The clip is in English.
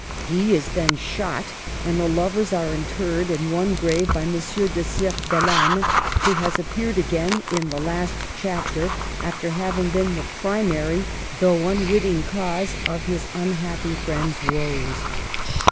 He is then shot ; and the lovers are interred in one grave by Monsieur de Serbellane, who has appeared again in the last chapter, after having Digitized by VjOOQLC HER WORKS. 225 been the primary though unwitting cause of his unhappy friends' woes.